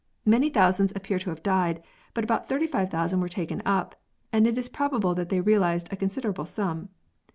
Many thousands appear to have died, but about 35,000 were taken up, and it is probable that they realised a considerable sum.